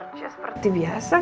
berangkat kerja seperti biasa